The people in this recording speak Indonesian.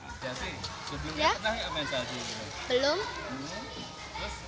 chelsea sebelumnya pernah main salju ini belum